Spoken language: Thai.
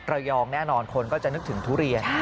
ระยองแน่นอนคนก็จำนึกถึงทุเรียน